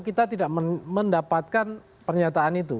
kita tidak mendapatkan pernyataan itu